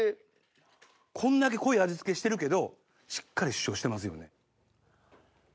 こんだけ濃い味付けしてるけどしっかり主張してますよね。